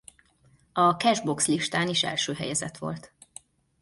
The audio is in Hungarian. A Cash Box listán is első helyezett volt.